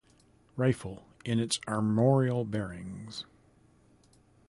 Rifle in its armorial bearings.